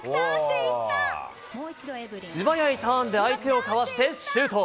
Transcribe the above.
素早いターンで相手をかわしてシュート！